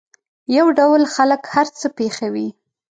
یو ډول خلک هر څه پېښوي.